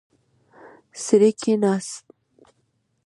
سړی کښیناست.